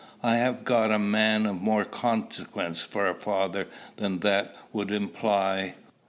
I have got a man of more consequence for a father than that would imply."